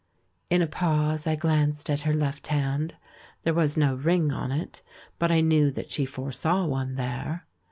In a pause I glanced at her left hand. There was no ring on it, but I knew that she foresaw one there.